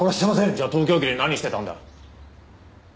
じゃあ東京駅で何してたんだ？